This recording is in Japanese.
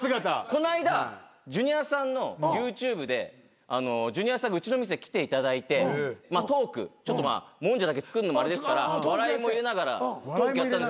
こないだジュニアさんのＹｏｕＴｕｂｅでジュニアさんがうちの店来ていただいてトークちょっともんじゃだけ作るのもあれですから笑いも入れながらトークやったんですけど